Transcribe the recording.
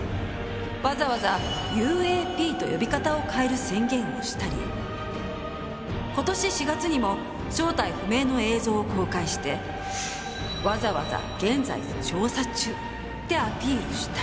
わざわざ「ＵＡＰ」と呼び方を変える宣言をしたり今年４月にも正体不明の映像を公開してわざわざ「現在調査中」ってアピールしたり。